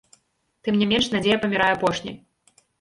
Тым не менш надзея памірае апошняй.